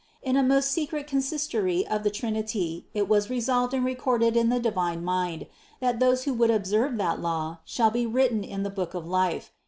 In a most secret consistory of the Trin ity it was resolved and recorded in the divine mind, that those who would observe that law, shall be written in the book of life.